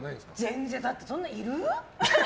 全然、だってそんなにいる？